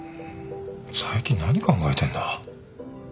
佐伯何考えてんだ？